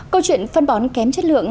công chuyện phân bón kém chất lượng